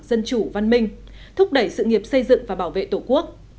dân chủ văn minh thúc đẩy sự nghiệp xây dựng và bảo vệ tổ quốc